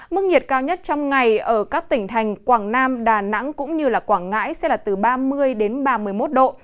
mức nhiệt cao nhất trong ngày ở các tỉnh thành quảng nam đà nẵng cũng như quảng ngãi sẽ là từ ba mươi đến ba mươi một độ